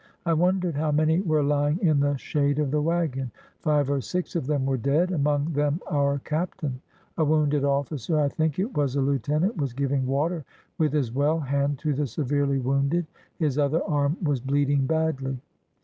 I wondered how many were lying in the shade of the wagon; five or six of them were dead, among them our captain. A wounded ofiicer, I think it was a lieutenant, was giving water with his well hand to the severely wounded; his other arm was bleeding badly.